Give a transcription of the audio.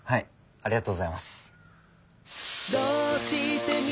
ありがとうございます。